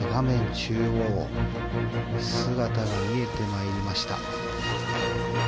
中央に姿が見えてまいりました。